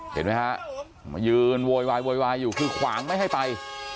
เห็นไหมฮะมายืนโวยวายโวยวายอยู่คือขวางไม่ให้ไป